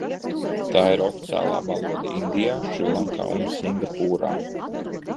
Tā ir oficiālā valoda Indijā, Šrilankā un Singapūrā.